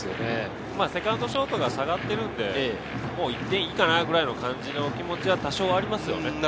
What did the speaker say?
セカンド、ショートが下がっているんで、１点いいかなぐらいの感じで気持ちは多少ありますよね。